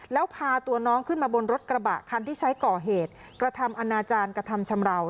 แล้วพาตัวน้องขึ้นมาบนรถกระบะคันที่ใช้ก่อเหตุกระทำอนาจารย์กระทำชำราว